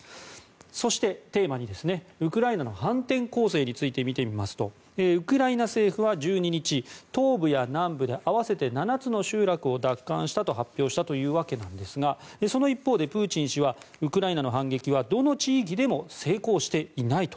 そして、テーマ２ウクライナの反転攻勢について見てみますとウクライナ政府は１２日東部や南部で合わせて７つの集落を奪還したと発表したわけですがその一方でプーチン氏はウクライナの反撃はどの地域でも成功していないと。